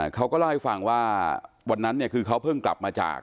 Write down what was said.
เขาก็เล่าให้ฟังว่าวันนั้นเนี่ยคือเขาเพิ่งกลับมาจาก